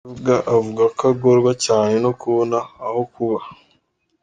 Mukabega avuga ko agorwa cyane no kubona aho kuba.